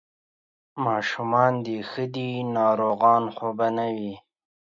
ماشومان دې ښه دي، ناروغان خو به نه وي؟